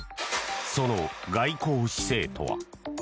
その外交姿勢とは。